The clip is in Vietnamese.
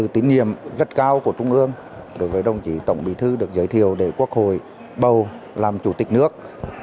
tín nhiệm rất cao của trung ương đối với đồng chí tổng bí thư được giới thiệu để quốc hội bầu làm chủ tịch nước